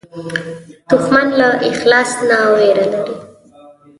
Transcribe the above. دښمن له اخلاص نه وېره لري